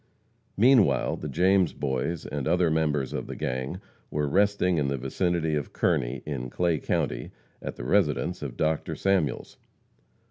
Meanwhile the James Boys and other members of the gang were resting in the vicinity of Kearney, in Clay county, at the residence of Dr. Samuels.